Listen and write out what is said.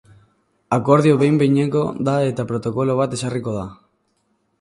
Akordio behin-behineko da eta protokolo bat ezarriko da.